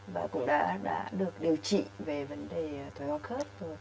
và cũng đã được điều trị về vấn đề thoái hóa khớp